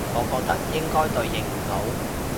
我覺得應該對應唔到